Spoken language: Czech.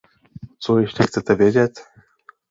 Co ještě chcete vědět?